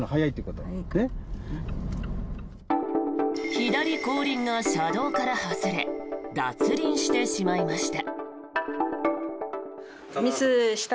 左後輪が車道から外れ脱輪してしまいました。